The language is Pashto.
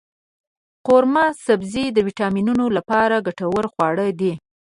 قورمه سبزي د ویټامینونو لپاره ګټور خواړه دی.